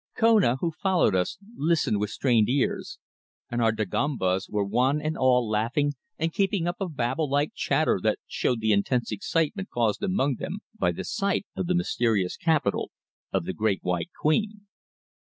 Kona, who followed us, listened with strained ears, and our Dagombas were one and all laughing and keeping up a Babel like chatter that showed the intense excitement caused among them by the sight of the mysterious capital of the Great White Queen.